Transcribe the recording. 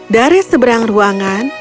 dari seberang ruangan